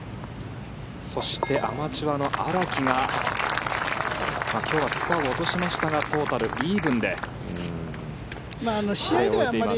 そしてアマチュアの荒木が今日はスコアを落としましたがトータルイーブンで試合を終えています。